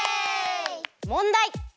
もんだい！